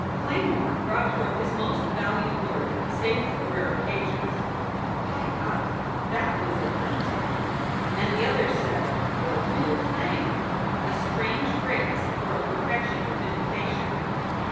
Claymore brought forth his most valued word saved for rare occasions. "By God! that was authentic!" And the others said, "The real thing!" a strange phrase for a perfection of imitation.